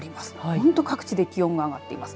本当各地で気温が上がっています。